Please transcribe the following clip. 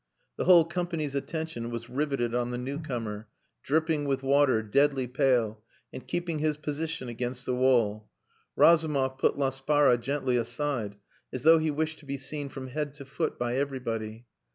The whole company's attention was riveted on the new comer, dripping with water, deadly pale, and keeping his position against the wall. Razumov put Laspara gently aside, as though he wished to be seen from head to foot by everybody.